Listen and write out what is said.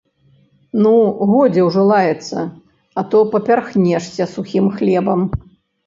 Ну, годзе ўжо лаяцца, а то папярхнешся сухім хлебам.